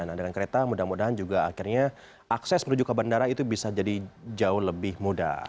nah dengan kereta mudah mudahan juga akhirnya akses menuju ke bandara itu bisa jadi jauh lebih mudah